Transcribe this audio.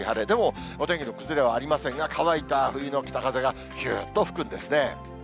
でもお天気の崩れはありませんが、乾いた冬の北風がひゅーっと吹くんですね。